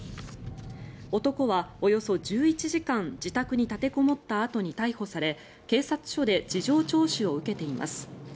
男はおよそ１１時間自宅に立てこもったあとに逮捕され警察署で事情聴取を受けています。